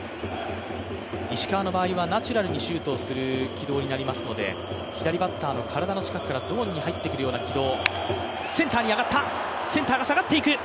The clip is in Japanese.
石川の場合はナチュラルにシュートをする軌道になるので、左バッターの体の近くからゾーンに入ってくるような軌道。